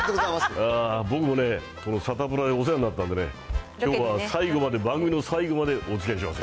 僕もね、サタプラでお世話になったんでね、きょうは最後まで、番組の最後までおつきあいします。